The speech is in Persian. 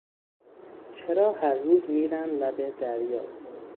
چرا هر روز میرن لب دریا؟